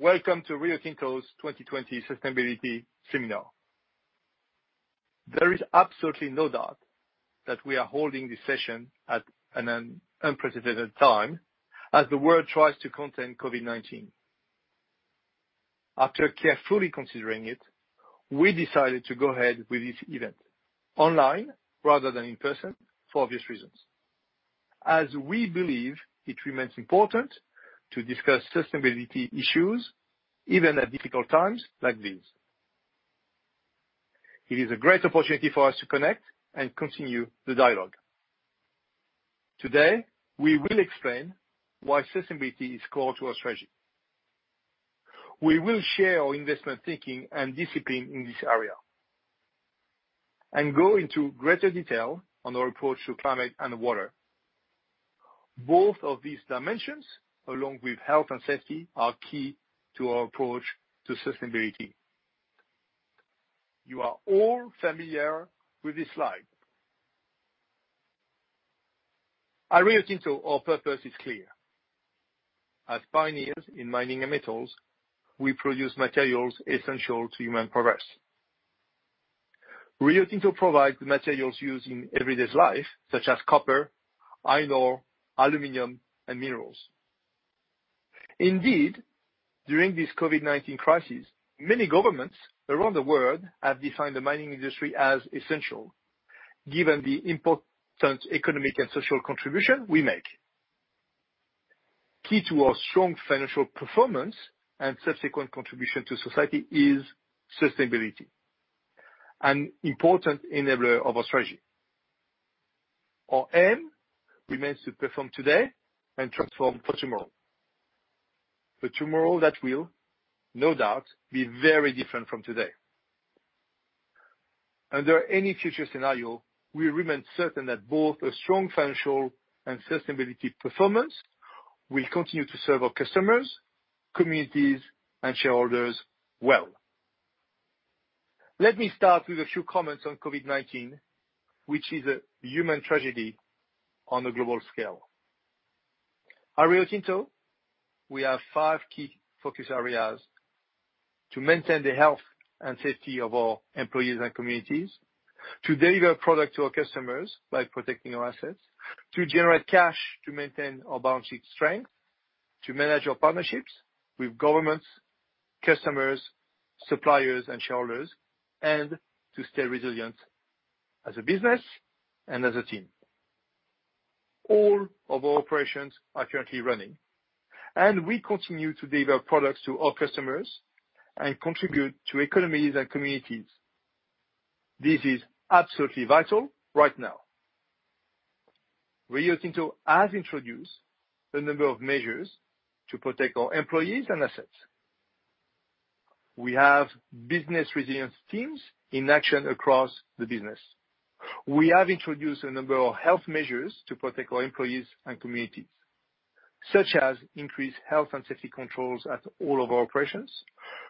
Welcome to Rio Tinto's 2020 Sustainability Seminar. There is absolutely no doubt that we are holding this session at an unprecedented time, as the world tries to contain COVID-19. After carefully considering it, we decided to go ahead with this event online rather than in person, for obvious reasons, as we believe it remains important to discuss sustainability issues, even at difficult times like these. It is a great opportunity for us to connect and continue the dialogue. Today, we will explain why sustainability is core to our strategy. We will share our investment thinking and discipline in this area and go into greater detail on our approach to climate and water. Both of these dimensions, along with health and safety, are key to our approach to sustainability. You are all familiar with this slide. At Rio Tinto, our purpose is clear. As pioneers in mining and metals, we produce materials essential to human progress. Rio Tinto provides the materials used in everyday life, such as copper, iron ore, aluminium, and minerals. Indeed, during this COVID-19 crisis, many governments around the world have defined the mining industry as essential, given the important economic and social contribution we make. Key to our strong financial performance and subsequent contribution to society is sustainability, an important enabler of our strategy. Our aim remains to perform today and transform for tomorrow. The tomorrow that will, no doubt, be very different from today. Under any future scenario, we remain certain that both a strong financial and sustainability performance will continue to serve our customers, communities, and shareholders well. Let me start with a few comments on COVID-19, which is a human tragedy on a global scale. At Rio Tinto, we have five key focus areas: to maintain the health and safety of our employees and communities, to deliver product to our customers by protecting our assets, to generate cash to maintain our balance sheet strength, to manage our partnerships with governments, customers, suppliers, and shareholders, and to stay resilient as a business and as a team. All of our operations are currently running, and we continue to deliver products to our customers and contribute to economies and communities. This is absolutely vital right now. Rio Tinto has introduced a number of measures to protect our employees and assets. We have business resilience teams in action across the business. We have introduced a number of health measures to protect our employees and communities, such as increased health and safety controls at all of our operations,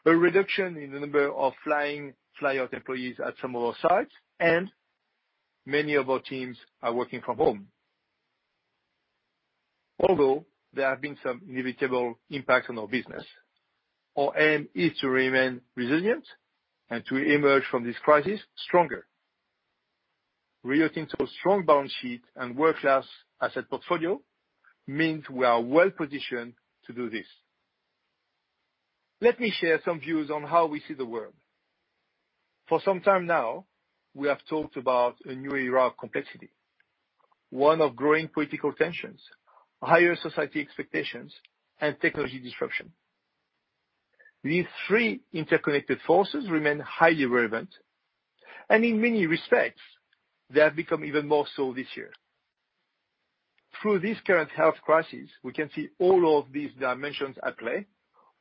a reduction in the number of fly-out employees at some of our sites, and many of our teams are working from home. Although there have been some inevitable impacts on our business, our aim is to remain resilient and to emerge from this crisis stronger. Rio Tinto's strong balance sheet and world-class asset portfolio means we are well-positioned to do this. Let me share some views on how we see the world. For some time now, we have talked about a new era of complexity, one of growing political tensions, higher society expectations, and technology disruption. These three interconnected forces remain highly relevant, and in many respects, they have become even more so this year. Through this current health crisis, we can see all of these dimensions at play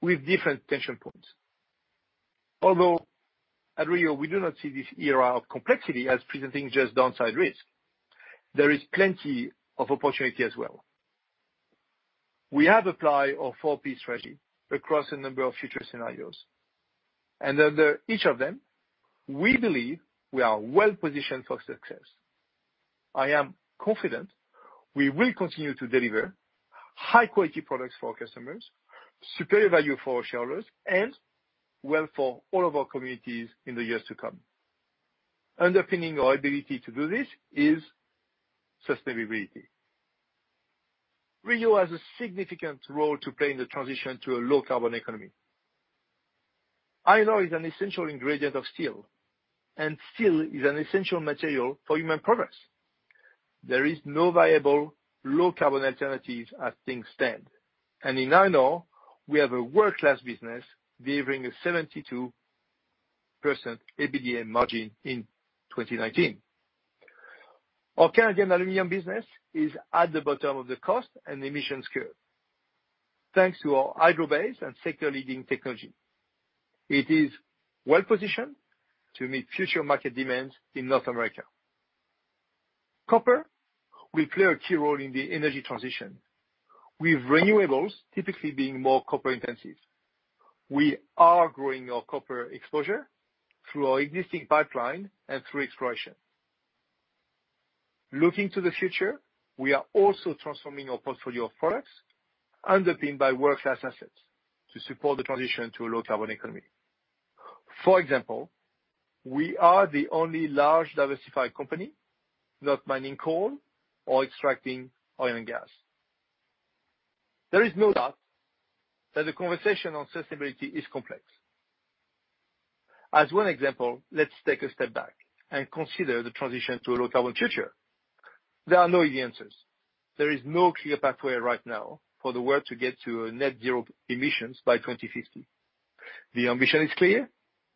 with different tension points. Although at Rio, we do not see this era of complexity as presenting just downside risk. There is plenty of opportunity as well. We have applied our four-piece strategy across a number of future scenarios. Under each of them, we believe we are well-positioned for success. I am confident we will continue to deliver high-quality products for our customers, superior value for our shareholders, and well for all of our communities in the years to come. Underpinning our ability to do this is sustainability. Rio has a significant role to play in the transition to a low-carbon economy. Iron ore is an essential ingredient of steel, and steel is an essential material for human progress. There is no viable low-carbon alternative as things stand. In iron ore, we have a world-class business delivering a 72% EBITDA margin in 2019. Our Canadian aluminium business is at the bottom of the cost and emissions curve, thanks to our hydro base and sector-leading technology. It is well-positioned to meet future market demands in North America. Copper will play a key role in the energy transition, with renewables typically being more copper-intensive. We are growing our copper exposure through our existing pipeline and through exploration. Looking to the future, we are also transforming our portfolio of products, underpinned by world-class assets to support the transition to a low-carbon economy. For example, we are the only large diversified company not mining coal or extracting oil and gas. There is no doubt that the conversation on sustainability is complex. As one example, let's take a step back and consider the transition to a low-carbon future. There are no easy answers. There is no clear pathway right now for the world to get to net zero emissions by 2050. The ambition is clear,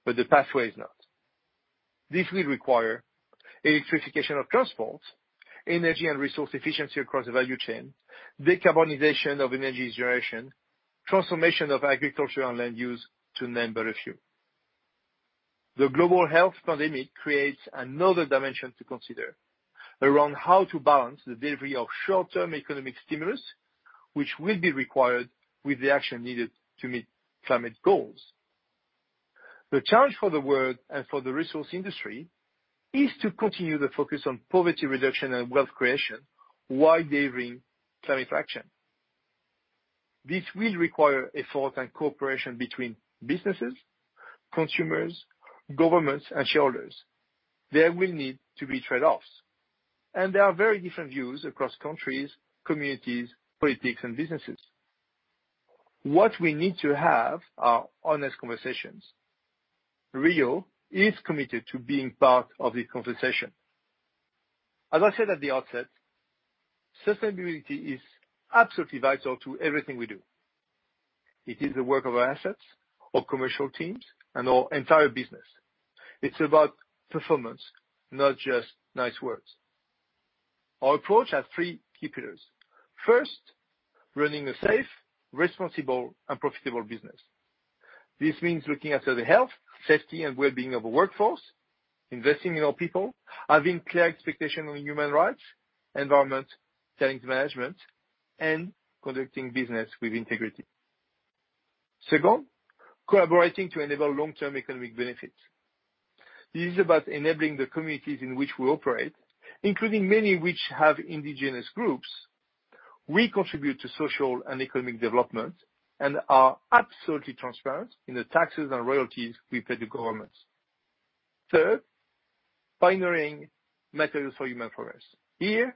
but the pathway is not. This will require electrification of transport, energy and resource efficiency across the value chain, decarbonization of energy generation, transformation of agriculture and land use, to name but a few. The global health pandemic creates another dimension to consider, around how to balance the delivery of short-term economic stimulus, which will be required with the action needed to meet climate goals. The challenge for the world and for the resource industry is to continue the focus on poverty reduction and wealth creation while delivering climate action. This will require effort and cooperation between businesses, consumers, governments, and shareholders. There will need to be trade-offs. There are very different views across countries, communities, politics, and businesses. What we need to have are honest conversations. Rio is committed to being part of the conversation. As I said at the outset, sustainability is absolutely vital to everything we do. It is the work of our assets, our commercial teams, and our entire business. It's about performance, not just nice words. Our approach has three key pillars. First, running a safe, responsible, and profitable business. This means looking after the health, safety, and well-being of a workforce, investing in our people, having clear expectations on human rights, environment, talent management, and conducting business with integrity. Second, collaborating to enable long-term economic benefit. This is about enabling the communities in which we operate, including many which have indigenous groups. We contribute to social and economic development and are absolutely transparent in the taxes and royalties we pay to governments. Third, pioneering materials for human progress. Here,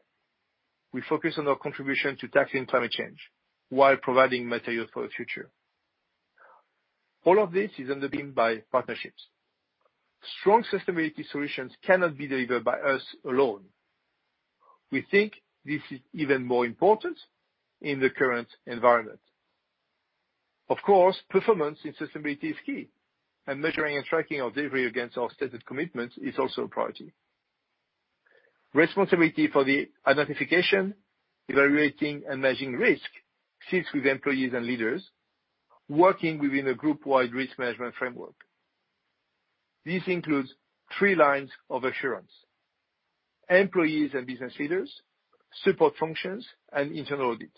we focus on our contribution to tackling climate change while providing materials for the future. All of this is underpinned by partnerships. Strong sustainability solutions cannot be delivered by us alone. We think this is even more important in the current environment. Of course, performance in sustainability is key, and measuring and tracking our delivery against our stated commitments is also a priority. Responsibility for the identification, evaluating, and managing risk sits with employees and leaders, working within a group-wide risk management framework. This includes three lines of assurance. Employees and business leaders, support functions, and internal audit.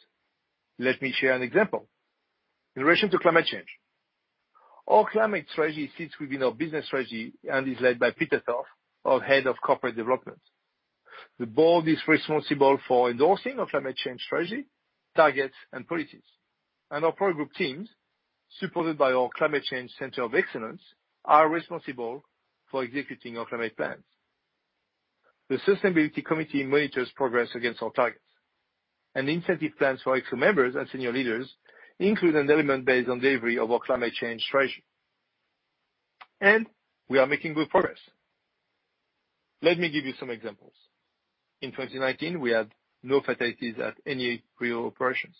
Let me share an example. In relation to climate change, our climate strategy sits within our business strategy and is led by Peter Cunningham, our Head of Corporate Development. The board is responsible for endorsing our climate change strategy, targets, and policies. Our product group teams, supported by our Climate Change Centre of Excellence, are responsible for executing our climate plans. The sustainability committee monitors progress against our targets. Incentive plans for exec members and senior leaders include an element based on delivery of our climate change strategy. We are making good progress. Let me give you some examples. In 2019, we had no fatalities at any Rio operations.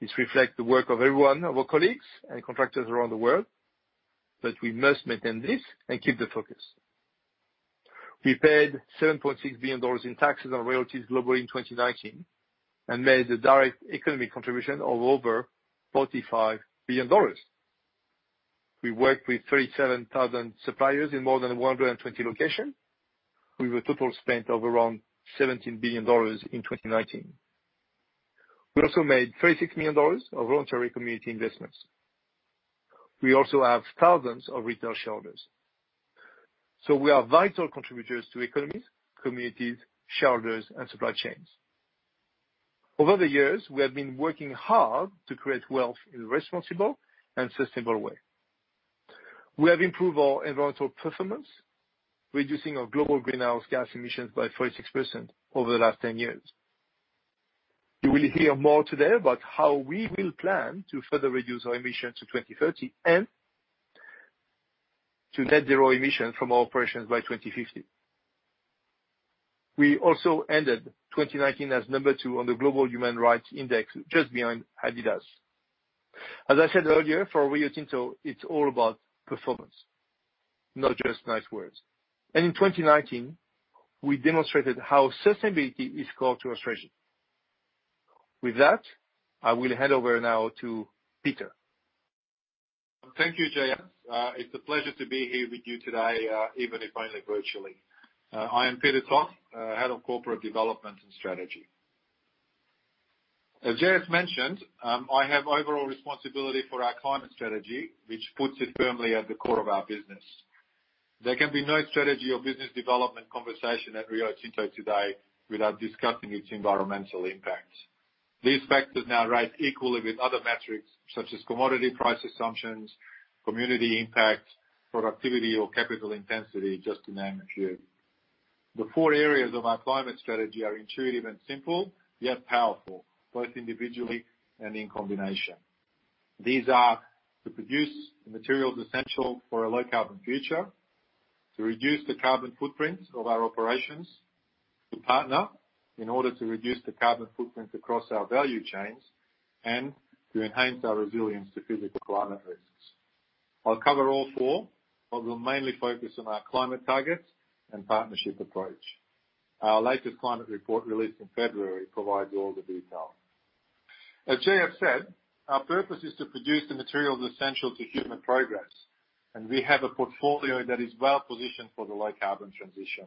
This reflects the work of every one of our colleagues and contractors around the world, but we must maintain this and keep the focus. We paid $7.6 billion in taxes and royalties globally in 2019 and made a direct economic contribution of over $45 billion. We worked with 37,000 suppliers in more than 120 locations, with a total spend of around $17 billion in 2019. We also made $36 million of voluntary community investments. We also have thousands of retail shareholders. We are vital contributors to economies, communities, shareholders, and supply chains. Over the years, we have been working hard to create wealth in a responsible and sustainable way. We have improved our environmental performance, reducing our global greenhouse gas emissions by 36% over the last 10 years. You will hear more today about how we will plan to further reduce our emissions to 2030 and to net zero emissions from our operations by 2050. We also ended 2019 as number 2 on the Corporate Human Rights Benchmark, just behind Adidas. As I said earlier, for Rio Tinto, it's all about performance, not just nice words. In 2019, we demonstrated how sustainability is core to our strategy. With that, I will hand over now to Peter. Thank you, Jean. It's a pleasure to be here with you today, even if only virtually. I am Peter Cunningham, head of corporate development and strategy. As JS mentioned, I have overall responsibility for our climate strategy, which puts it firmly at the core of our business. There can be no strategy or business development conversation at Rio Tinto today without discussing its environmental impact. These factors now rank equally with other metrics such as commodity price assumptions, community impact, productivity, or capital intensity, just to name a few. The four areas of our climate strategy are intuitive and simple, yet powerful, both individually and in combination. These are to produce the materials essential for a low-carbon future, to reduce the carbon footprint of our operations, to partner in order to reduce the carbon footprint across our value chains, and to enhance our resilience to physical climate risks. I'll cover all four, we'll mainly focus on our climate targets and partnership approach. Our latest climate report, released in February, provides all the detail. As JS said, our purpose is to produce the materials essential to human progress, and we have a portfolio that is well-positioned for the low-carbon transition.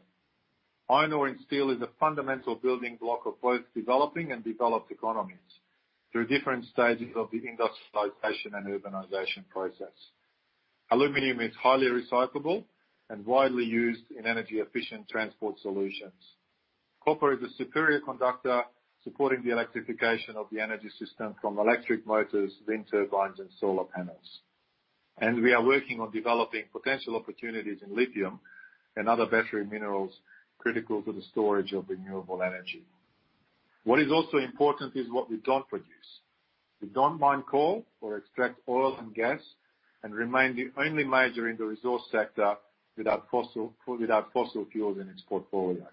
Iron ore and steel is a fundamental building block of both developing and developed economies through different stages of the industrialization and urbanization process. Aluminium is highly recyclable and widely used in energy-efficient transport solutions. Copper is a superior conductor, supporting the electrification of the energy system from electric motors, wind turbines, and solar panels. We are working on developing potential opportunities in lithium and other battery minerals critical to the storage of renewable energy. What is also important is what we don't produce. We don't mine coal or extract oil and gas, and remain the only major in the resource sector without fossil fuels in its portfolio.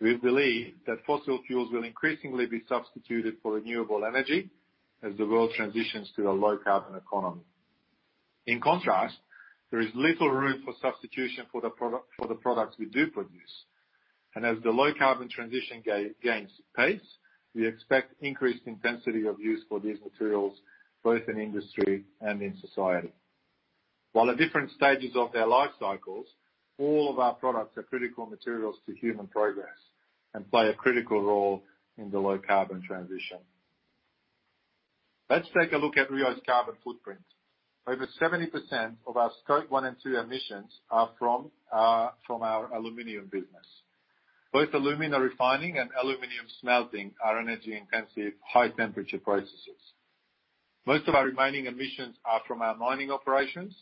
We believe that fossil fuels will increasingly be substituted for renewable energy as the world transitions to a low-carbon economy. In contrast, there is little room for substitution for the products we do produce. As the low-carbon transition gains pace, we expect increased intensity of use for these materials, both in industry and in society. While at different stages of their life cycles, all of our products are critical materials to human progress and play a critical role in the low-carbon transition. Let's take a look at Rio's carbon footprint. Over 70% of our Scope 1 and 2 emissions are from our aluminum business. Both alumina refining and aluminum smelting are energy-intensive, high-temperature processes. Most of our remaining emissions are from our mining operations,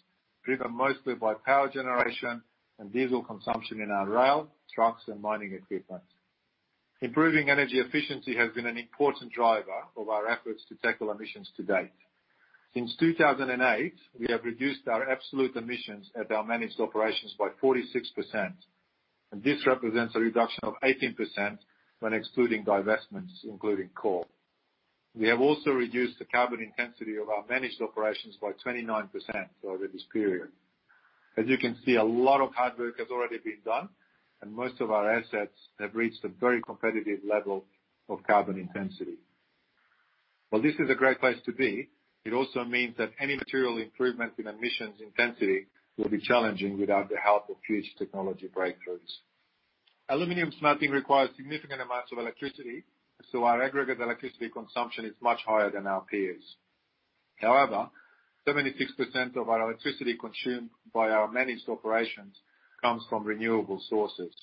driven mostly by power generation and diesel consumption in our rail, trucks, and mining equipment. Improving energy efficiency has been an important driver of our efforts to tackle emissions to date. Since 2008, we have reduced our absolute emissions at our managed operations by 46%, and this represents a reduction of 18% when excluding divestments, including coal. We have also reduced the carbon intensity of our managed operations by 29% over this period. As you can see, a lot of hard work has already been done, and most of our assets have reached a very competitive level of carbon intensity. While this is a great place to be, it also means that any material improvement in emissions intensity will be challenging without the help of huge technology breakthroughs. Aluminum smelting requires significant amounts of electricity. Our aggregate electricity consumption is much higher than our peers. However, 76% of our electricity consumed by our managed operations comes from renewable sources.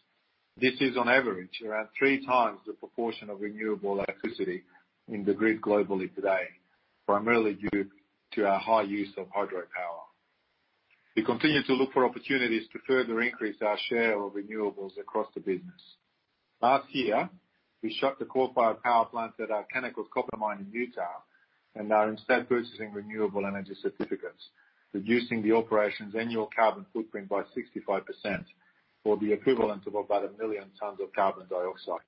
This is on average, around three times the proportion of renewable electricity in the grid globally today, primarily due to our high use of hydropower. We continue to look for opportunities to further increase our share of renewables across the business. Last year, we shut the coal-fired power plant at our Kennecott Copper mine in Utah and are instead purchasing renewable energy certificates, reducing the operation's annual carbon footprint by 65%, or the equivalent of about 1 million tons of carbon dioxide.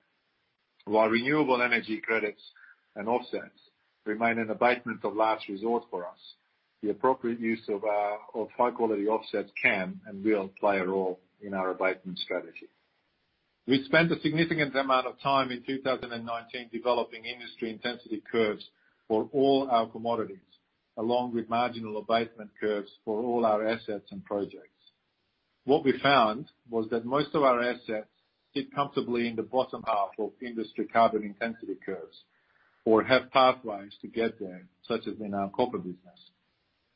While renewable energy credits and offsets remain an abatement of last resort for us, the appropriate use of high-quality offsets can and will play a role in our abatement strategy. We spent a significant amount of time in 2019 developing industry intensity curves for all our commodities, along with marginal abatement curves for all our assets and projects. What we found was that most of our assets sit comfortably in the bottom half of industry carbon intensity curves or have pathways to get there, such as in our copper business.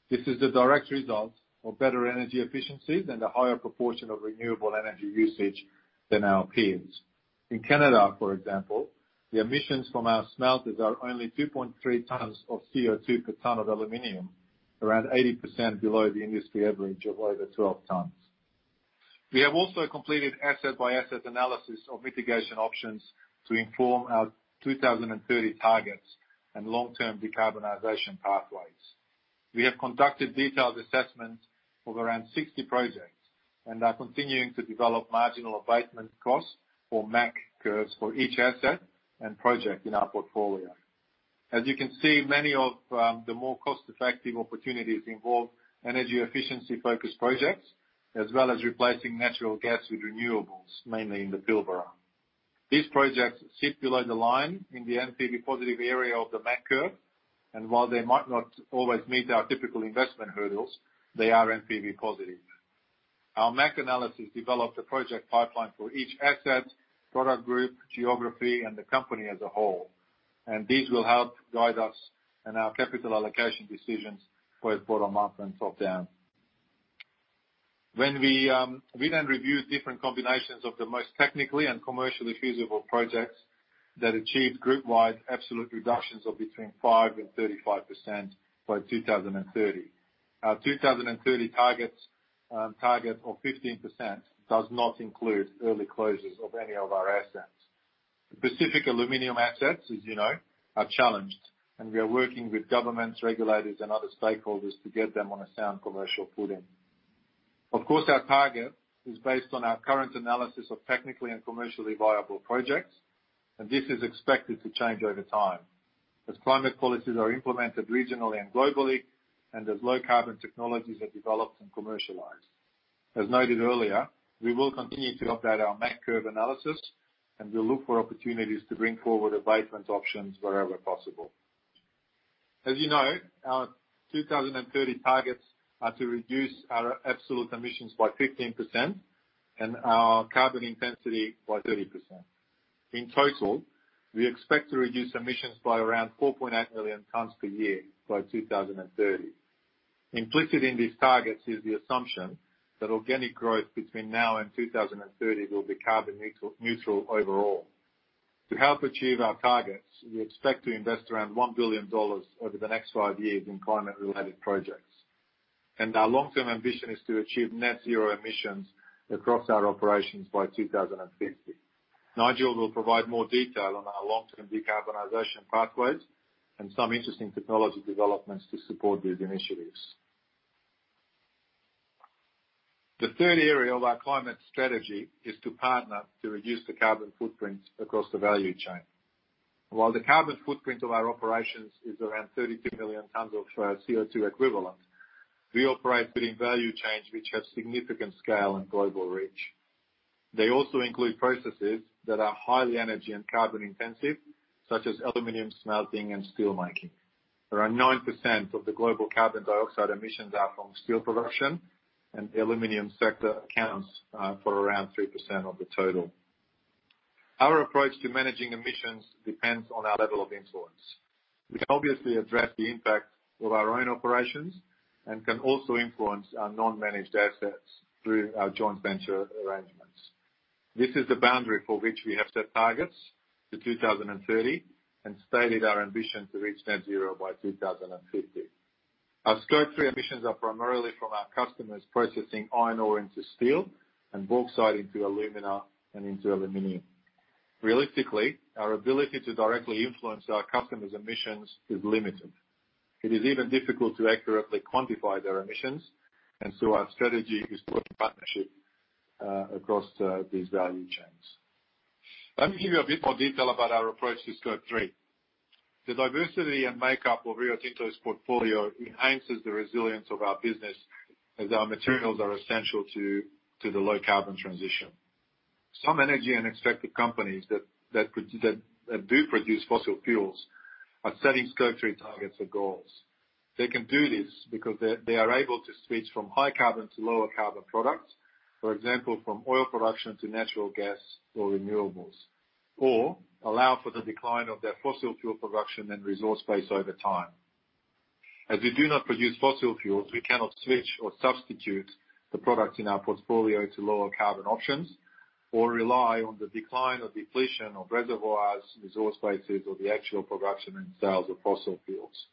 This is the direct result of better energy efficiency than the higher proportion of renewable energy usage than our peers. In Canada, for example, the emissions from our smelters are only 2.3 tons of CO2 per ton of aluminium, around 80% below the industry average of over 12 tons. We have also completed asset-by-asset analysis of mitigation options to inform our 2030 targets and long-term decarbonization pathways. We have conducted detailed assessments of around 60 projects and are continuing to develop marginal abatement costs or MAC curves for each asset and project in our portfolio. As you can see, many of the more cost-effective opportunities involve energy efficiency-focused projects, as well as replacing natural gas with renewables, mainly in the Pilbara. These projects sit below the line in the NPV positive area of the MAC curve, and while they might not always meet our typical investment hurdles, they are NPV positive. Our MAC analysis developed a project pipeline for each asset, product group, geography, and the company as a whole. These will help guide us in our capital allocation decisions, both bottom-up and top-down. We reviewed different combinations of the most technically and commercially feasible projects that achieved group-wide absolute reductions of between 5% and 35% by 2030. Our 2030 target of 15% does not include early closures of any of our assets. The Pacific Aluminium assets, as you know, are challenged, and we are working with governments, regulators, and other stakeholders to get them on a sound commercial footing. Of course, our target is based on our current analysis of technically and commercially viable projects, and this is expected to change over time as climate policies are implemented regionally and globally and as low-carbon technologies are developed and commercialized. As noted earlier, we will continue to update our MAC curve analysis, and we'll look for opportunities to bring forward abatement options wherever possible. As you know, our 2030 targets are to reduce our absolute emissions by 15% and our carbon intensity by 30%. In total, we expect to reduce emissions by around 4.8 million tonnes per year by 2030. Implicit in these targets is the assumption that organic growth between now and 2030 will be carbon neutral overall. To help achieve our targets, we expect to invest around $1 billion over the next five years in climate-related projects. Our long-term ambition is to achieve net zero emissions across our operations by 2050. Nigel will provide more detail on our long-term decarbonization pathways and some interesting technology developments to support these initiatives. The third area of our climate strategy is to partner to reduce the carbon footprint across the value chain. While the carbon footprint of our operations is around 32 million tonnes of CO2 equivalent, we operate within value chains which have significant scale and global reach. They also include processes that are highly energy and carbon intensive, such as aluminium smelting and steelmaking. Around 9% of the global carbon dioxide emissions are from steel production. The aluminium sector accounts for around 3% of the total. Our approach to managing emissions depends on our level of influence. We can obviously address the impact of our own operations and can also influence our non-managed assets through our joint venture arrangements. This is the boundary for which we have set targets to 2030 and stated our ambition to reach net zero by 2050. Our Scope 3 emissions are primarily from our customers processing iron ore into steel and bauxite into alumina and into aluminium. Realistically, our ability to directly influence our customers' emissions is limited. It is even difficult to accurately quantify their emissions. Our strategy is to work in partnership across these value chains. Let me give you a bit more detail about our approach to Scope 3. The diversity and makeup of Rio Tinto's portfolio enhances the resilience of our business as our materials are essential to the low-carbon transition. Some energy and extractive companies that do produce fossil fuels are setting Scope 3 targets or goals. They can do this because they are able to switch from high-carbon to lower-carbon products, for example, from oil production to natural gas or renewables, or allow for the decline of their fossil fuel production and resource base over time. As we do not produce fossil fuels, we cannot switch or substitute the products in our portfolio to lower-carbon options or rely on the decline or depletion of reservoirs, resource bases, or the actual production and sales of fossil fuels.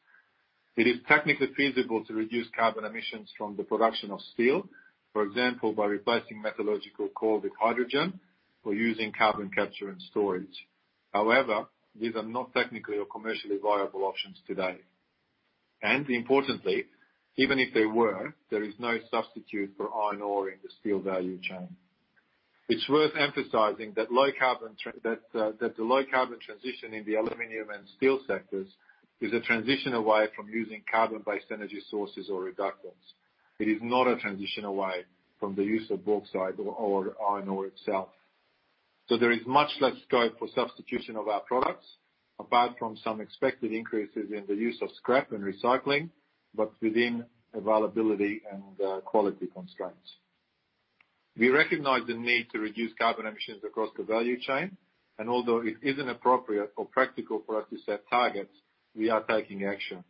It is technically feasible to reduce carbon emissions from the production of steel, for example, by replacing metallurgical coal with hydrogen or using carbon capture and storage. However, these are not technically or commercially viable options today. Importantly, even if they were, there is no substitute for iron ore in the steel value chain. It's worth emphasizing that the low-carbon transition in the aluminium and steel sectors is a transition away from using carbon-based energy sources or reductants. It is not a transition away from the use of bauxite or iron ore itself. There is much less scope for substitution of our products, apart from some expected increases in the use of scrap and recycling, but within availability and quality constraints. We recognize the need to reduce carbon emissions across the value chain, and although it isn't appropriate or practical for us to set targets, we are taking action.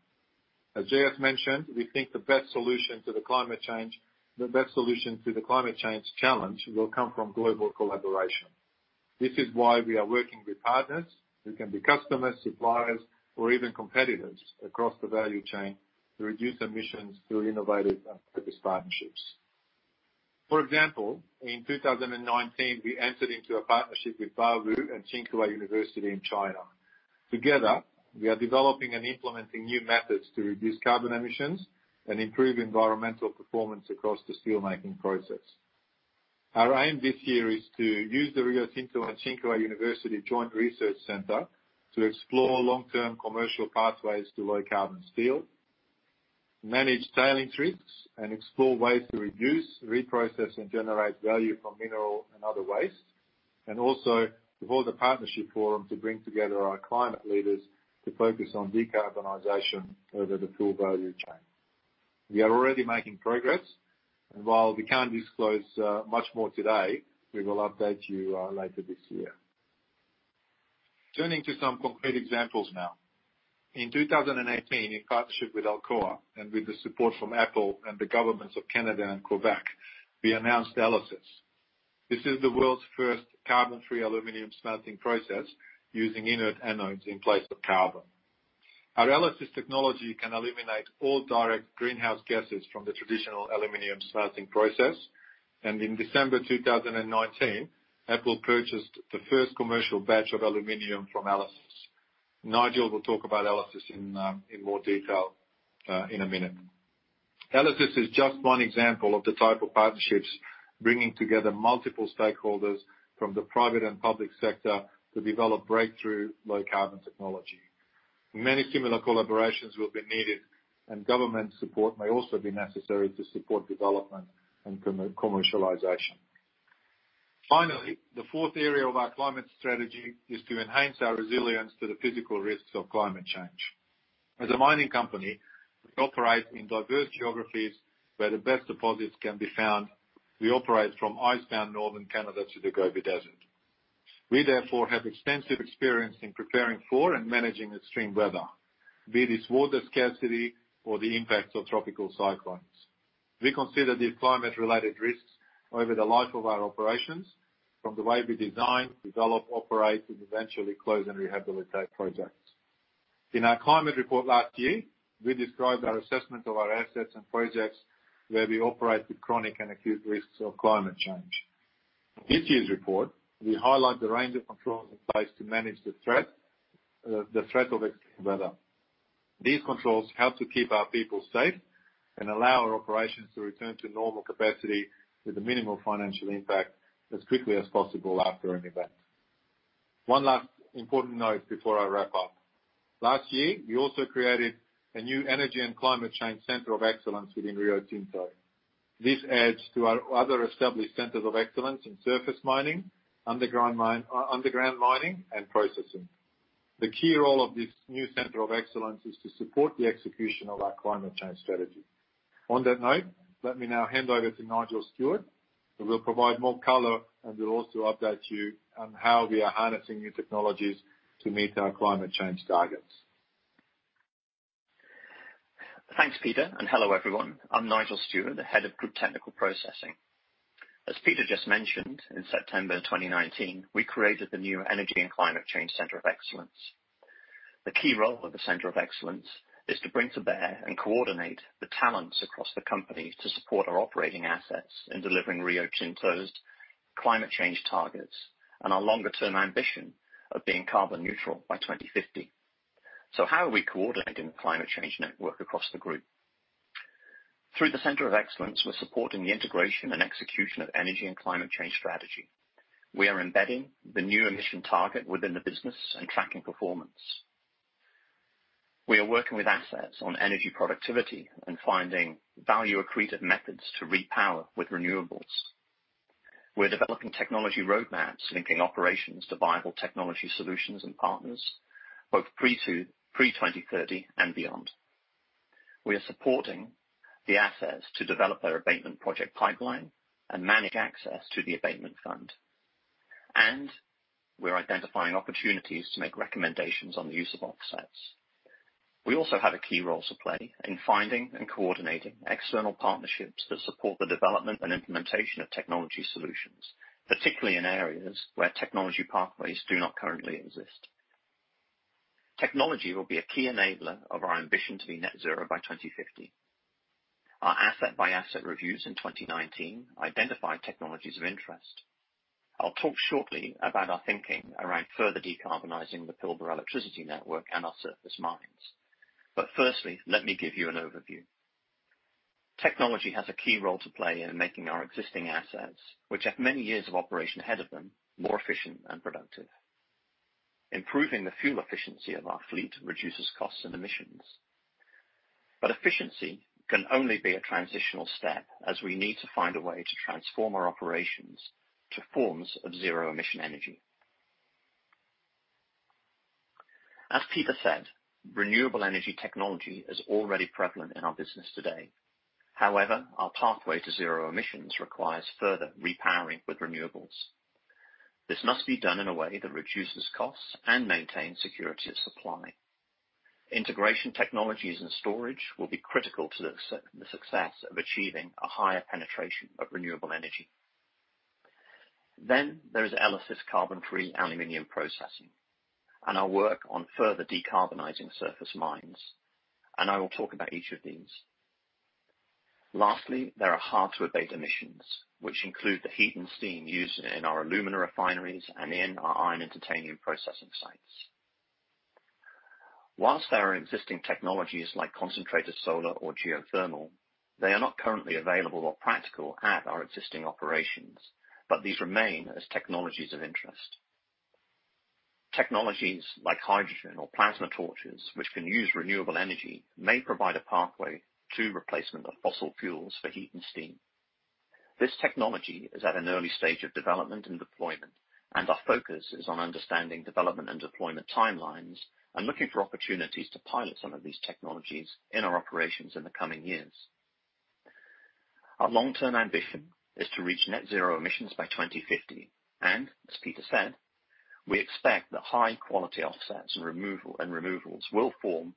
As JS mentioned, we think the best solution to the climate change challenge will come from global collaboration. This is why we are working with partners who can be customers, suppliers, or even competitors across the value chain to reduce emissions through innovative partnerships. For example, in 2019, we entered into a partnership with Baowu and Tsinghua University in China. Together, we are developing and implementing new methods to reduce carbon emissions and improve environmental performance across the steelmaking process. Our aim this year is to use the Rio Tinto and Tsinghua University Joint Research Center to explore long-term commercial pathways to low-carbon steel, manage tailings treatments, and explore ways to reduce, reprocess, and generate value from mineral and other waste. We hold a partnership forum to bring together our climate leaders to focus on decarbonization over the full value chain. We are already making progress, and while we can't disclose much more today, we will update you later this year. Turning to some concrete examples now. In 2018, in partnership with Alcoa and with the support from Apple and the governments of Canada and Quebec, we announced ELYSIS. This is the world's first carbon-free aluminum smelting process using inert anodes in place of carbon. Our ELYSIS technology can eliminate all direct greenhouse gases from the traditional aluminum smelting process. In December 2019, Apple purchased the first commercial batch of aluminum from ELYSIS. Nigel will talk about ELYSIS in more detail in a minute. ELYSIS is just one example of the type of partnerships bringing together multiple stakeholders from the private and public sector to develop breakthrough low-carbon technology. Many similar collaborations will be needed, and government support may also be necessary to support development and promote commercialization. Finally, the fourth area of our climate strategy is to enhance our resilience to the physical risks of climate change. As a mining company, we operate in diverse geographies where the best deposits can be found. We operate from Iceland, northern Canada, to the Gobi Desert. We therefore have extensive experience in preparing for and managing extreme weather, be this water scarcity or the impacts of tropical cyclones. We consider these climate-related risks over the life of our operations, from the way we design, develop, operate, and eventually close and rehabilitate projects. In our climate report last year, we described our assessment of our assets and projects where we operate with chronic and acute risks of climate change. In this year's report, we highlight the range of controls in place to manage the threat of extreme weather. These controls help to keep our people safe and allow our operations to return to normal capacity with a minimal financial impact as quickly as possible after an event. One last important note before I wrap up. Last year, we also created a new Energy and Climate Change Centre of Excellence within Rio Tinto. This adds to our other established centers of excellence in surface mining, underground mining, and processing. The key role of this new center of excellence is to support the execution of our climate change strategy. On that note, let me now hand over to Nigel Stewart, who will provide more color and will also update you on how we are harnessing new technologies to meet our climate change targets. Thanks, Peter, and hello, everyone. I'm Nigel Stewart, the head of group technical processing. As Peter just mentioned, in September 2019, we created the new Energy and Climate Change Centre of Excellence. The key role of the Center of Excellence is to bring to bear and coordinate the talents across the company to support our operating assets in delivering Rio Tinto's climate change targets and our longer-term ambition of being carbon neutral by 2050. How are we coordinating the climate change network across the group? Through the Center of Excellence, we're supporting the integration and execution of energy and climate change strategy. We are embedding the new emission target within the business and tracking performance. We are working with assets on energy productivity and finding value accretive methods to repower with renewables. We're developing technology roadmaps linking operations to viable technology solutions and partners, both pre-2030 and beyond. We are supporting the assets to develop their abatement project pipeline and manage access to the abatement fund. We're identifying opportunities to make recommendations on the use of offsets. We also have a key role to play in finding and coordinating external partnerships that support the development and implementation of technology solutions, particularly in areas where technology pathways do not currently exist. Technology will be a key enabler of our ambition to be net zero by 2050. Our asset-by-asset reviews in 2019 identified technologies of interest. I'll talk shortly about our thinking around further decarbonizing the Pilbara electricity network and our surface mines. Firstly, let me give you an overview. Technology has a key role to play in making our existing assets, which have many years of operation ahead of them, more efficient and productive. Improving the fuel efficiency of our fleet reduces costs and emissions. Efficiency can only be a transitional step, as we need to find a way to transform our operations to forms of zero-emission energy. As Peter said, renewable energy technology is already prevalent in our business today. However, our pathway to zero-emissions requires further repowering with renewables. This must be done in a way that reduces costs and maintains security of supply. Integration technologies and storage will be critical to the success of achieving a higher penetration of renewable energy. There is ELYSIS carbon-free aluminum processing and our work on further decarbonizing surface mines, and I will talk about each of these. Lastly, there are hard-to-abate emissions, which include the heat and steam used in our alumina refineries and in our iron and titanium processing sites. Whilst there are existing technologies like concentrated solar or geothermal, they are not currently available or practical at our existing operations, these remain as technologies of interest. Technologies like hydrogen or plasma torches, which can use renewable energy, may provide a pathway to replacement of fossil fuels for heat and steam. This technology is at an early stage of development and deployment, and our focus is on understanding development and deployment timelines and looking for opportunities to pilot some of these technologies in our operations in the coming years. Our long-term ambition is to reach net zero emissions by 2050, and as Peter said, we expect that high-quality offsets and removals will form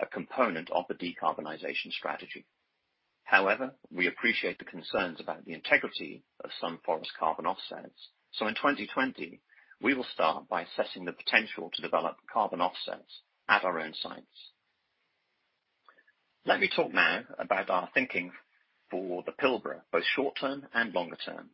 a component of the decarbonization strategy. We appreciate the concerns about the integrity of some forest carbon offsets. In 2020, we will start by assessing the potential to develop carbon offsets at our own sites. Let me talk now about our thinking for the Pilbara, both short-term and longer-term.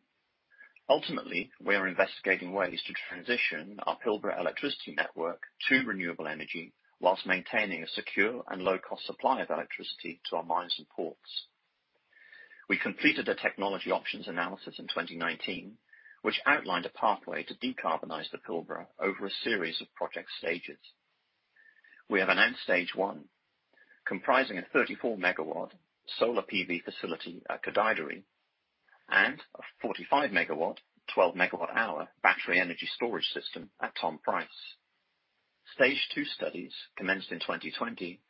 Ultimately, we are investigating ways to transition our Pilbara electricity network to renewable energy while maintaining a secure and low-cost supply of electricity to our mines and ports. We completed a technology options analysis in 2019, which outlined a pathway to decarbonize the Pilbara over a series of project stages. We have announced Stage 1, comprising a 34-MW solar PV facility at Gudai-Darri and a 45-MW, 12-MWh battery energy storage system at Tom Price. Stage 2 studies commenced in 2020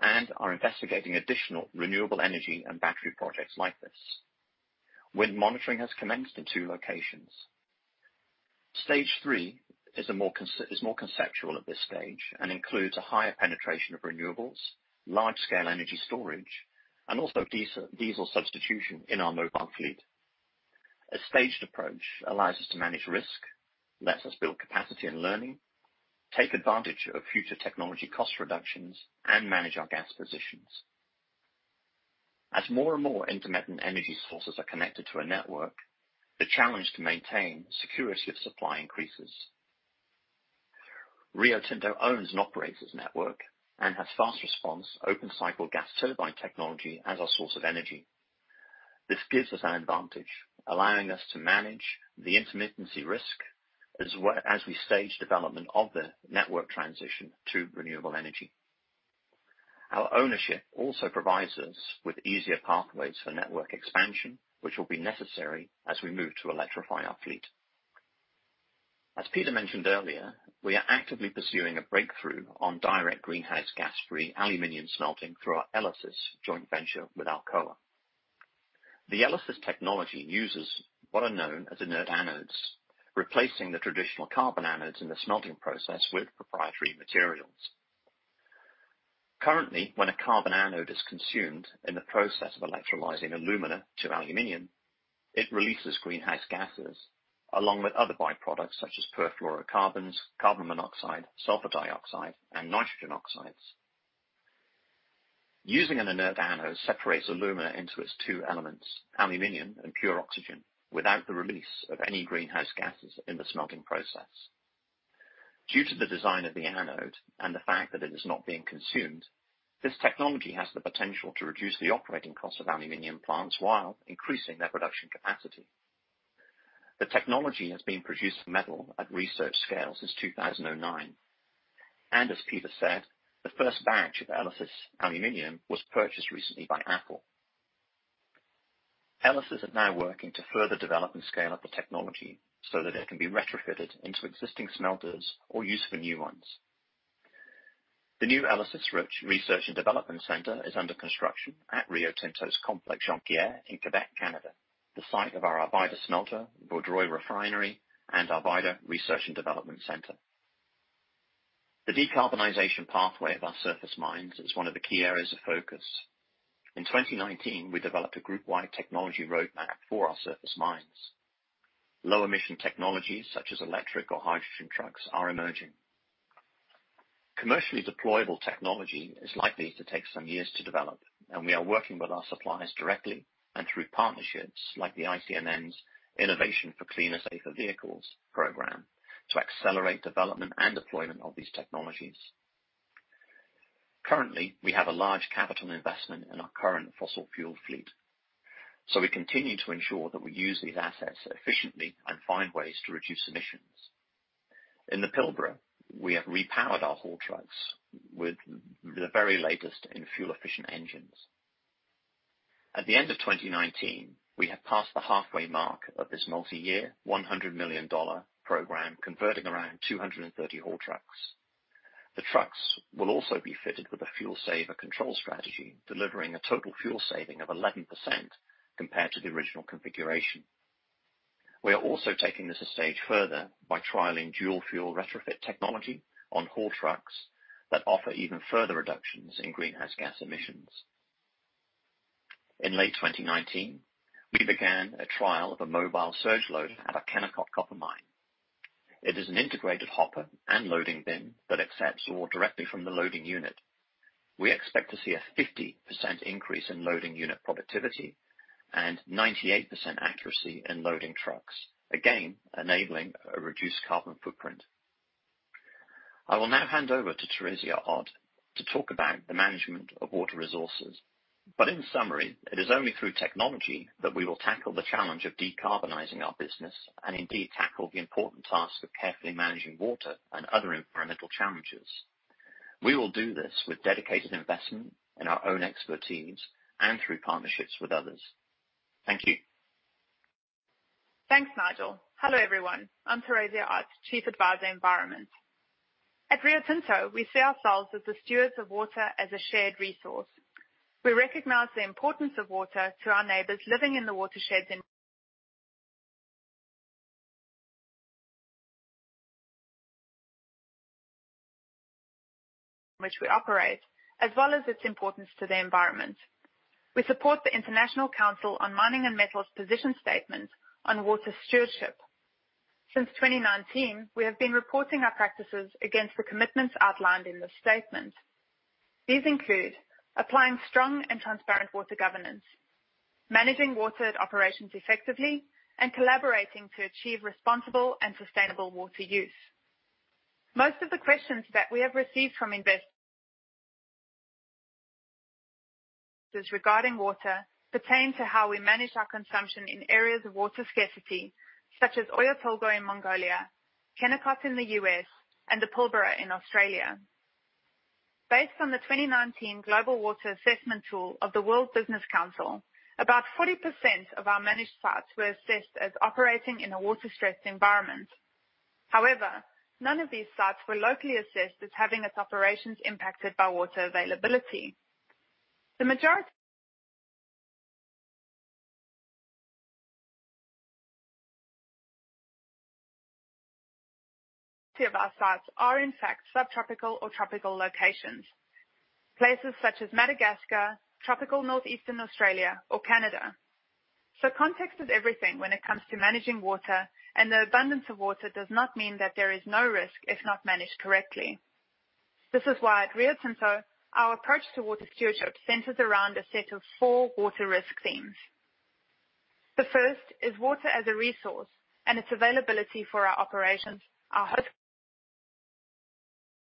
and are investigating additional renewable energy and battery projects like this. Wind monitoring has commenced in two locations. Stage 3 is more conceptual at this stage and includes a higher penetration of renewables, large-scale energy storage, and also diesel substitution in our mobile fleet. A staged approach allows us to manage risk, lets us build capacity and learning, take advantage of future technology cost reductions, and manage our gas positions. As more and more intermittent energy sources are connected to a network, the challenge to maintain security of supply increases. Rio Tinto owns and operates this network and has fast response open cycle gas turbine technology as our source of energy. This gives us an advantage, allowing us to manage the intermittency risk as we stage development of the network transition to renewable energy. Our ownership also provides us with easier pathways for network expansion, which will be necessary as we move to electrify our fleet. As Peter mentioned earlier, we are actively pursuing a breakthrough on direct greenhouse gas-free aluminium smelting through our ELYSIS joint venture with Alcoa. The ELYSIS technology uses what are known as inert anodes, replacing the traditional carbon anodes in the smelting process with proprietary materials. Currently, when a carbon anode is consumed in the process of electrolysing alumina to aluminium, it releases greenhouse gases along with other by-products such as perfluorocarbons, carbon monoxide, sulfur dioxide, and nitrogen oxides. Using an inert anode separates alumina into its two elements, aluminium and pure oxygen, without the release of any greenhouse gases in the smelting process. Due to the design of the anode and the fact that it is not being consumed, this technology has the potential to reduce the operating cost of aluminium plants while increasing their production capacity. The technology has been producing metal at research scale since 2009, and as Peter said, the first batch of ELYSIS aluminium was purchased recently by Apple. ELYSIS are now working to further develop and scale up the technology so that it can be retrofitted into existing smelters or used for new ones. The new ELYSIS research and development center is under construction at Rio Tinto's complex, Jonquière in Quebec, Canada, the site of our Arvida smelter, Vaudreuil Refinery, and Arvida Research and Development Centre. The decarbonization pathway of our surface mines is one of the key areas of focus. In 2019, we developed a group-wide technology roadmap for our surface mines. Low-emission technologies such as electric or hydrogen trucks are emerging. Commercially deployable technology is likely to take some years to develop, and we are working with our suppliers directly and through partnerships like the ICMM's Innovation for Cleaner, Safer Vehicles program to accelerate development and deployment of these technologies. Currently, we have a large capital investment in our current fossil fuel fleet. We continue to ensure that we use these assets efficiently and find ways to reduce emissions. In the Pilbara, we have repowered our haul trucks with the very latest in fuel-efficient engines. At the end of 2019, we have passed the halfway mark of this multi-year $100 million program, converting around 230 haul trucks. The trucks will also be fitted with a fuel saver control strategy, delivering a total fuel saving of 11% compared to the original configuration. We are also taking this a stage further by trialing dual-fuel retrofit technology on haul trucks that offer even further reductions in greenhouse gas emissions. In late 2019, we began a trial of a mobile surge loader at our Kennecott Copper Mine. It is an integrated hopper and loading bin that accepts ore directly from the loading unit. We expect to see a 50% increase in loading unit productivity and 98% accuracy in loading trucks, again, enabling a reduced carbon footprint. I will now hand over to Theresia Ott to talk about the management of water resources. In summary, it is only through technology that we will tackle the challenge of decarbonizing our business and indeed tackle the important task of carefully managing water and other environmental challenges. We will do this with dedicated investment in our own expertise and through partnerships with others. Thank you. Thanks, Nigel. Hello, everyone. I'm Theresia Ott, chief advisor, environment. At Rio Tinto, we see ourselves as the stewards of water as a shared resource. We recognize the importance of water to our neighbors living in the watersheds in which we operate, as well as its importance to the environment. We support the International Council on Mining and Metals' position statement on water stewardship. Since 2019, we have been reporting our practices against the commitments outlined in this statement. These include applying strong and transparent water governance, managing water at operations effectively, and collaborating to achieve responsible and sustainable water use. Most of the questions that we have received from investors regarding water pertain to how we manage our consumption in areas of water scarcity, such as Oyu Tolgoi in Mongolia, Kennecott in the U.S., and the Pilbara in Australia. Based on the 2019 Global Water Assessment tool of the World Business Council, about 40% of our managed sites were assessed as operating in a water-stressed environment. However, none of these sites were locally assessed as having its operations impacted by water availability. The majority of our sites are in fact subtropical or tropical locations, places such as Madagascar, tropical northeastern Australia, or Canada. Context is everything when it comes to managing water, and the abundance of water does not mean that there is no risk if not managed correctly. This is why at Rio Tinto, our approach to water stewardship centers around a set of four water risk themes. The first is water as a resource and its availability for our operations, our host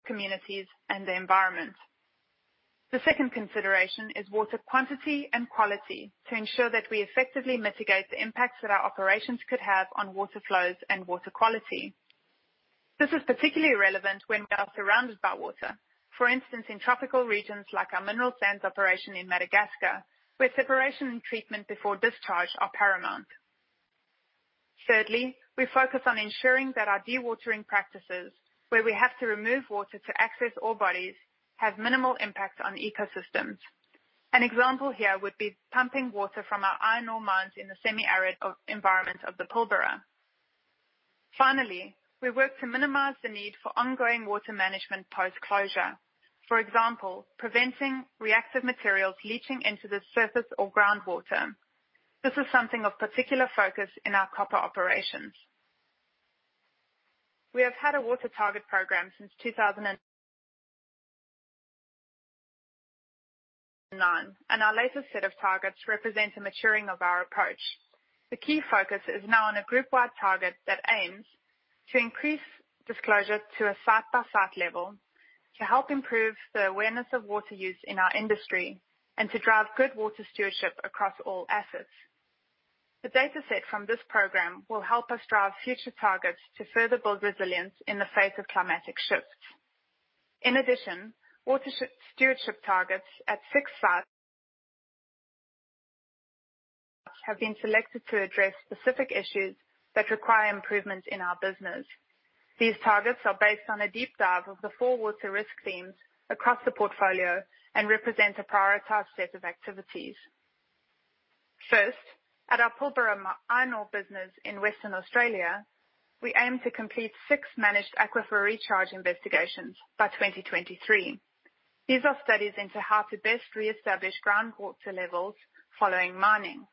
communities, and the environment. The second consideration is water quantity and quality to ensure that we effectively mitigate the impacts that our operations could have on water flows and water quality. This is particularly relevant when we are surrounded by water. For instance, in tropical regions like our mineral sands operation in Madagascar, where separation and treatment before discharge are paramount. Thirdly, we focus on ensuring that our dewatering practices, where we have to remove water to access ore bodies, have minimal impact on ecosystems. An example here would be pumping water from our iron ore mines in the semi-arid environment of the Pilbara. Finally, we work to minimize the need for ongoing water management post-closure. For example, preventing reactive materials leaching into the surface or groundwater. This is something of particular focus in our copper operations. We have had a water target program since 2009, and our latest set of targets represent a maturing of our approach. The key focus is now on a group-wide target that aims to increase disclosure to a site-by-site level to help improve the awareness of water use in our industry and to drive good water stewardship across all assets. The dataset from this program will help us drive future targets to further build resilience in the face of climatic shifts. In addition, water stewardship targets at six sites have been selected to address specific issues that require improvement in our business. These targets are based on a deep dive of the four water risk themes across the portfolio and represent a prioritized set of activities. First, at our Pilbara Iron Ore business in Western Australia, we aim to complete six managed aquifer recharge investigations by 2023. These are studies into how to best reestablish groundwater levels following mining.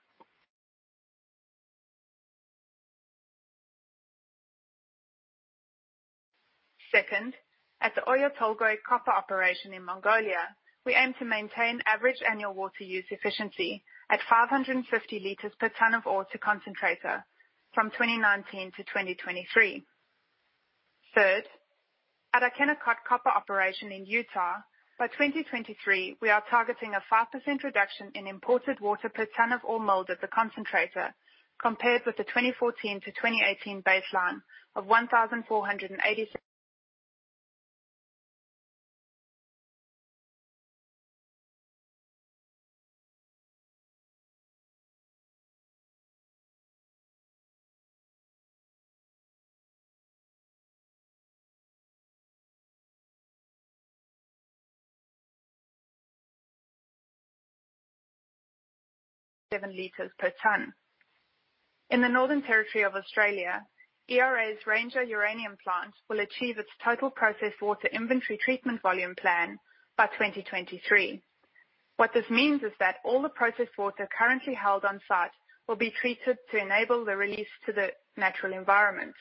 Second, at the Oyu Tolgoi copper operation in Mongolia, we aim to maintain average annual water use efficiency at 550 liters per ton of ore to concentrator from 2019 to 2023. Third, at our Kennecott copper operation in Utah, by 2023, we are targeting a 5% reduction in imported water per ton of ore milled at the concentrator compared with the 2014 to 2018 baseline of 1,487 liters per ton. In the Northern Territory of Australia, ERA's Ranger uranium plant will achieve its total processed water inventory treatment volume plan by 2023. What this means is that all the processed water currently held on-site will be treated to enable the release to the natural environment.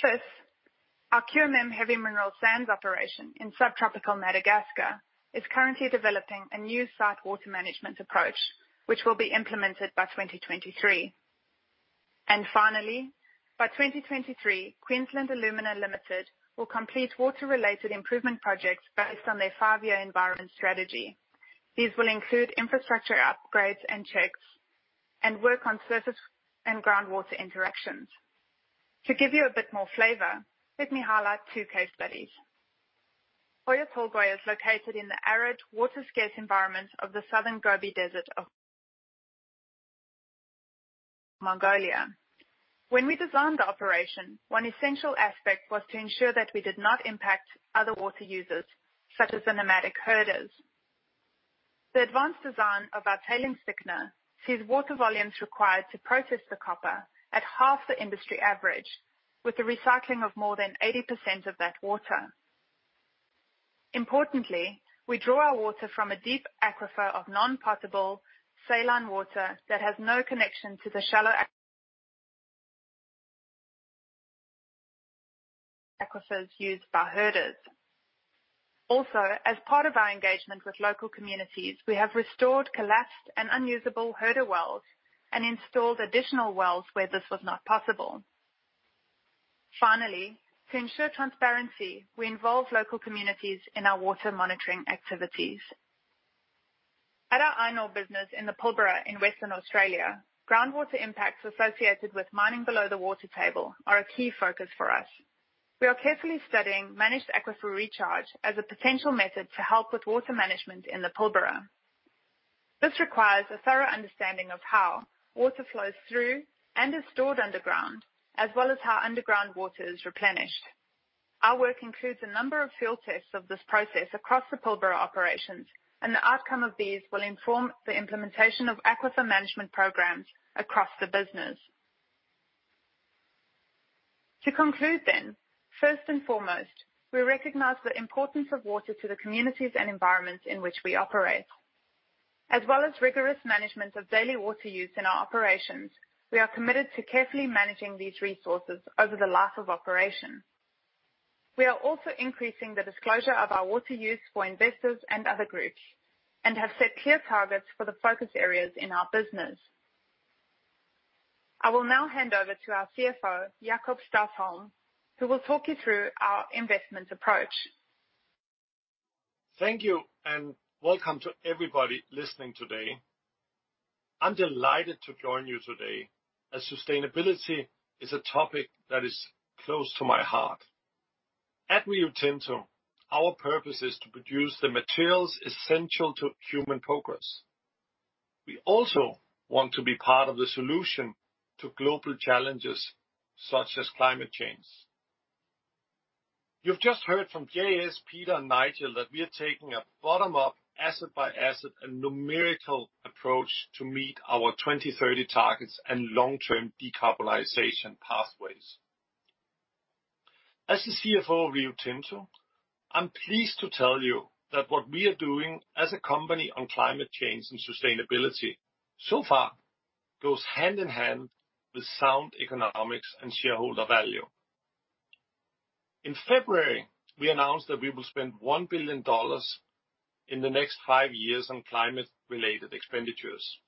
Fifth, our QMM heavy mineral sands operation in subtropical Madagascar is currently developing a new site water management approach, which will be implemented by 2023. Finally, by 2023, Queensland Alumina Limited will complete water-related improvement projects based on their five-year environment strategy. These will include infrastructure upgrades and checks, and work on surface and groundwater interactions. To give you a bit more flavor, let me highlight two case studies. Oyu Tolgoi is located in the arid, water-scarce environments of the Southern Gobi Desert of Mongolia. When we designed the operation, one essential aspect was to ensure that we did not impact other water users, such as the nomadic herders. The advanced design of our tailings thickener sees water volumes required to process the copper at half the industry average, with the recycling of more than 80% of that water. Importantly, we draw our water from a deep aquifer of non-potable saline water that has no connection to the shallow aquifers used by herders. Also, as part of our engagement with local communities, we have restored collapsed and unusable herder wells and installed additional wells where this was not possible. Finally, to ensure transparency, we involve local communities in our water monitoring activities. At our iron ore business in the Pilbara in Western Australia, groundwater impacts associated with mining below the water table are a key focus for us. We are carefully studying managed aquifer recharge as a potential method to help with water management in the Pilbara. This requires a thorough understanding of how water flows through and is stored underground, as well as how underground water is replenished. Our work includes a number of field tests of this process across the Pilbara operations, and the outcome of these will inform the implementation of aquifer management programs across the business. To conclude then, first and foremost, we recognize the importance of water to the communities and environments in which we operate. As well as rigorous management of daily water use in our operations, we are committed to carefully managing these resources over the life of operation. We are also increasing the disclosure of our water use for investors and other groups, and have set clear targets for the focus areas in our business. I will now hand over to our CFO, Jakob Stausholm, who will talk you through our investment approach. Thank you. Welcome to everybody listening today. I'm delighted to join you today, as sustainability is a topic that is close to my heart. At Rio Tinto, our purpose is to produce the materials essential to human progress. We also want to be part of the solution to global challenges such as climate change. You've just heard from JS, Peter, and Nigel that we are taking a bottom-up, asset-by-asset and numerical approach to meet our 2030 targets and long-term decarbonization pathways. As the CFO of Rio Tinto, I'm pleased to tell you that what we are doing as a company on climate change and sustainability so far goes hand-in-hand with sound economics and shareholder value. In February, we announced that we will spend $1 billion in the next five years on climate-related expenditures.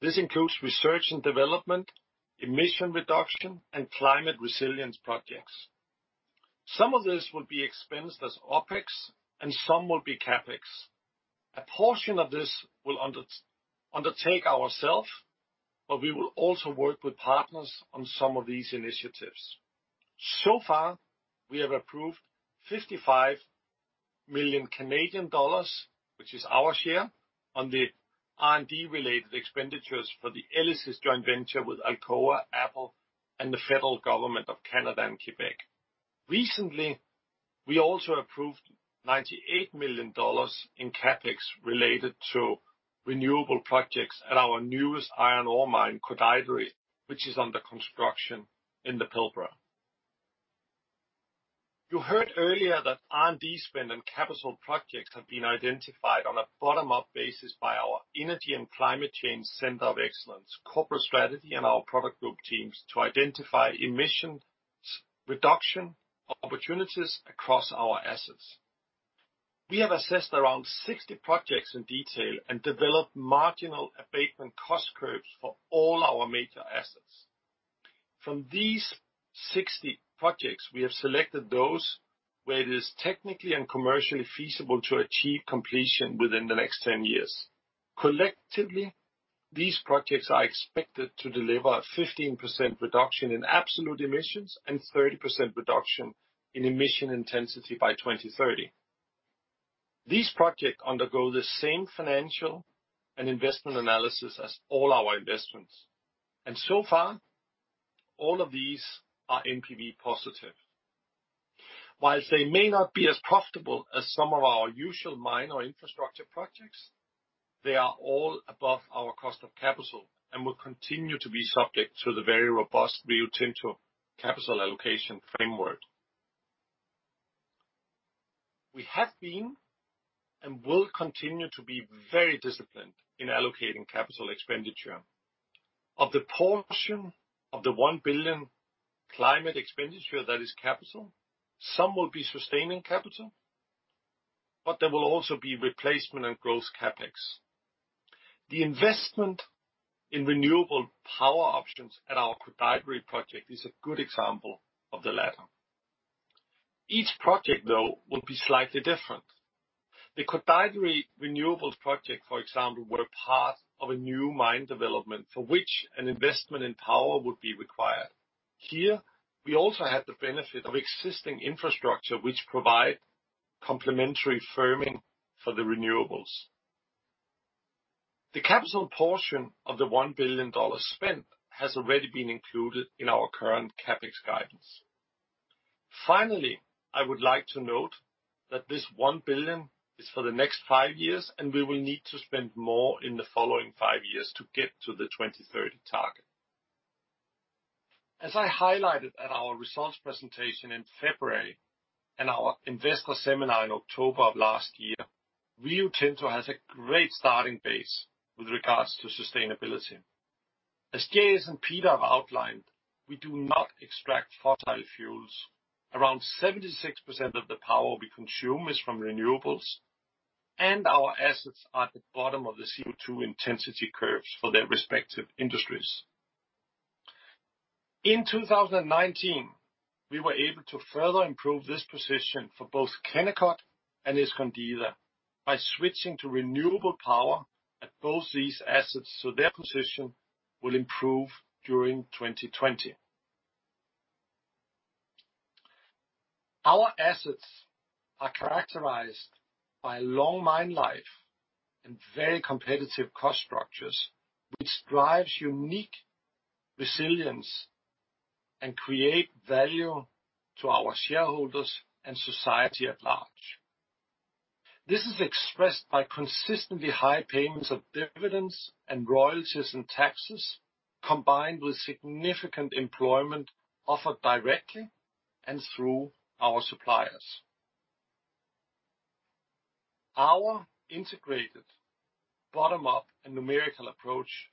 This includes research and development, emission reduction, and climate resilience projects. Some of this will be expensed as OpEx, some will be CapEx. A portion of this we'll undertake ourself, we will also work with partners on some of these initiatives. So far, we have approved 55 million Canadian dollars, which is our share on the R&D related expenditures for the ELYSIS joint venture with Alcoa, Apple, and the federal government of Canada and Quebec. Recently, we also approved $98 million in CapEx related to renewable projects at our newest iron ore mine, Gudai-Darri, which is under construction in the Pilbara. You heard earlier that R&D spend and capital projects have been identified on a bottom-up basis by our Energy and Climate Change Center of Excellence, corporate strategy, and our product group teams to identify emissions reduction opportunities across our assets. We have assessed around 60 projects in detail and developed marginal abatement cost curves for all our major assets. From these 60 projects, we have selected those where it is technically and commercially feasible to achieve completion within the next ten years. Collectively, these projects are expected to deliver a 15% reduction in absolute emissions and 30% reduction in emission intensity by 2030. These projects undergo the same financial and investment analysis as all our investments. So far, all of these are NPV positive. Whilst they may not be as profitable as some of our usual mine or infrastructure projects, they are all above our cost of capital and will continue to be subject to the very robust Rio Tinto capital allocation framework. We have been and will continue to be very disciplined in allocating capital expenditure. Of the portion of the $1 billion climate expenditure that is capital, some will be sustaining capital. There will also be replacement and growth CapEx. The investment in renewable power options at our Gudai-Darri project is a good example of the latter. Each project, though, will be slightly different. The Gudai-Darri renewables project, for example, were part of a new mine development for which an investment in power would be required. Here, we also have the benefit of existing infrastructure, which provide complementary firming for the renewables. The capital portion of the $1 billion spent has already been included in our current CapEx guidance. I would like to note that this $1 billion is for the next five years, and we will need to spend more in the following five years to get to the 2030 target. As I highlighted at our results presentation in February and our investor seminar in October of last year, Rio Tinto has a great starting base with regards to sustainability. As JS and Peter have outlined, we do not extract fossil fuels. Around 76% of the power we consume is from renewables, and our assets are at the bottom of the CO2 intensity curves for their respective industries. In 2019, we were able to further improve this position for both Kennecott and Escondida by switching to renewable power at both these assets, so their position will improve during 2020. Our assets are characterized by long mine life and very competitive cost structures, which drives unique resilience and create value to our shareholders and society at large. This is expressed by consistently high payments of dividends and royalties and taxes, combined with significant employment offered directly and through our suppliers. Our integrated bottom-up and numerical approach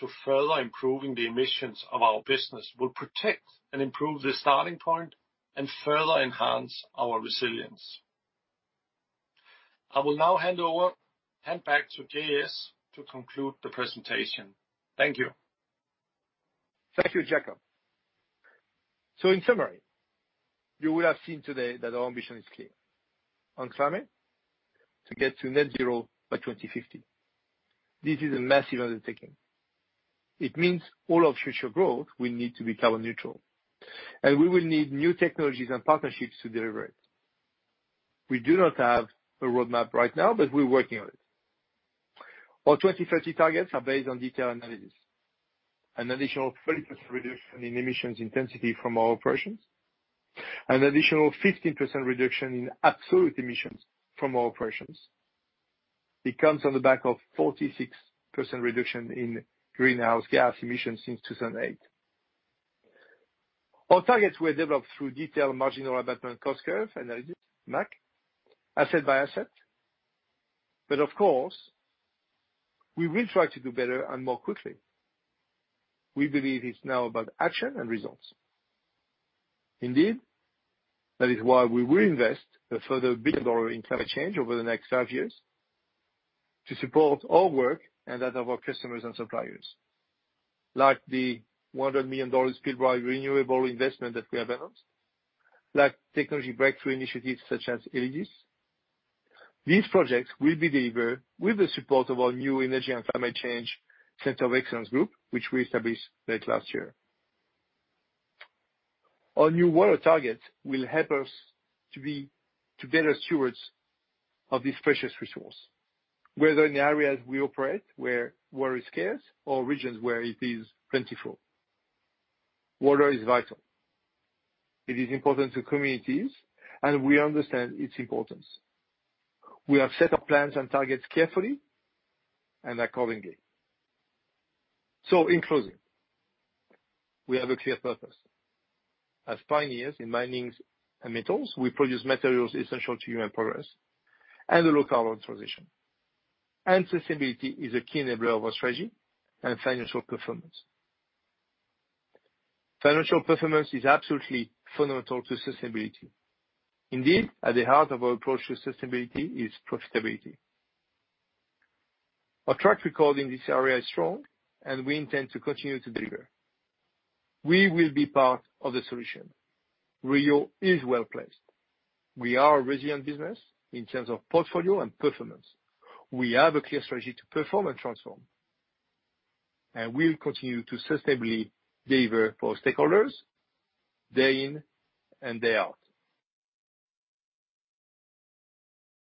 to further improving the emissions of our business will protect and improve the starting point and further enhance our resilience. I will now hand back to JS to conclude the presentation. Thank you. Thank you, Jakob. In summary, you will have seen today that our ambition is clear. On climate, to get to net zero by 2050. This is a massive undertaking. It means all our future growth will need to be carbon neutral, and we will need new technologies and partnerships to deliver it. We do not have a roadmap right now, but we're working on it. Our 2030 targets are based on detailed analysis. An additional 30% reduction in emissions intensity from our operations. An additional 15% reduction in absolute emissions from our operations. It comes on the back of 46% reduction in greenhouse gas emissions since 2008. Our targets were developed through detailed marginal abatement cost curve analysis, MAC, asset-by-asset. Of course, we will try to do better and more quickly. We believe it's now about action and results. That is why we will invest a further $1 billion in climate change over the next five years to support our work and that of our customers and suppliers, like the $100 million Pilbara renewable investment that we have announced, like technology breakthrough initiatives such as ELYSIS. These projects will be delivered with the support of our new Energy and Climate Change Centre of Excellence group, which we established late last year. Our new water targets will help us to be better stewards of this precious resource, whether in the areas we operate where water is scarce or regions where it is plentiful. Water is vital. It is important to communities, and we understand its importance. We have set up plans and targets carefully. In closing, we have a clear purpose. As pioneers in mining and metals, we produce materials essential to human progress and a low carbon transition. Sustainability is a key enabler of our strategy and financial performance. Financial performance is absolutely fundamental to sustainability. Indeed, at the heart of our approach to sustainability is profitability. Our track record in this area is strong, and we intend to continue to deliver. We will be part of the solution. Rio is well-placed. We are a resilient business in terms of portfolio and performance. We have a clear strategy to perform and transform. We will continue to sustainably deliver for our stakeholders day in and day out.